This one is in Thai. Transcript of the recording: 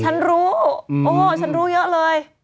ฉันรู้โอ้ฉันรู้เยอะเลย